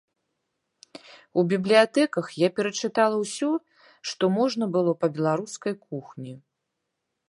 У бібліятэках я перачытала ўсё, што можна было па беларускай кухні.